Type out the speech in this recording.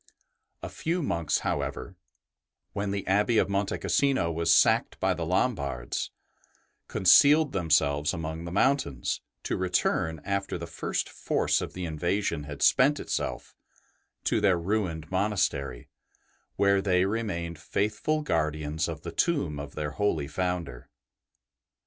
A few monks, however, when the Abbey of Monte Cassino was sacked by the Lombards, concealed themselves among the mountains, to return, after the first force of the in vasion had spent itself, to their ruined monastery, where they remained faithful guardians of the tomb of their holy Founder.